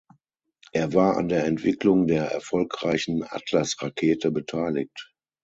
Er war an der Entwicklung der erfolgreichen Atlas-Rakete beteiligt.